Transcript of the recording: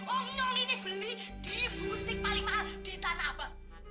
oh nyony ini beli di butik paling mahal di tanah apa